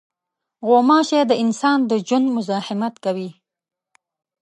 غوماشې د انسان د ژوند مزاحمت کوي.